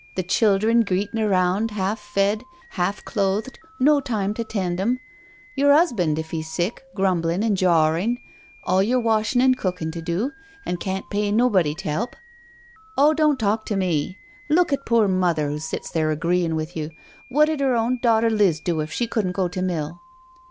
— the childern greet in' around, half fed, half clothed, no time to tend 'em; your 'usband, if he's sick, grumblin' an' jawring; all your washin' an' cookin' to do, an' can't pay nobody t'elp— oh, don't talk to me I Look at pore Mother, who sits there agreein' with you, what 'ud *er. own daughter Liz do if she couldn't go to mill?"